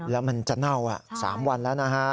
แล้วมันจะเน่า๓วันแล้วนะฮะ